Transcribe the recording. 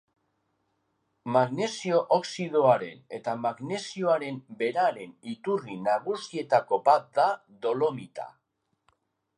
Magnesio oxidoaren eta magnesioaren beraren iturri nagusietako bat da dolomita.